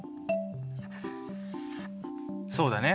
そうだね。